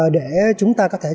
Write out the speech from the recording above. để chúng ta có thể